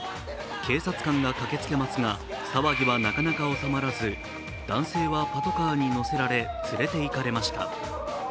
警察官が駆けつけますが、騒ぎはなかなか収まらず、男性はパトカーに乗せられ連れていかれました。